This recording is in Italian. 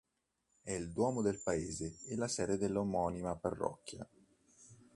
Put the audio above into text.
È il duomo del paese e la sede dell'omonima parrocchia.